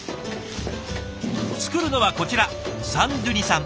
作るのはこちらサンドゥニさん。